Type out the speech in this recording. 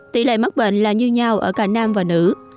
tỷ lệ mắc bệnh là như nhau ở cả nam và nữ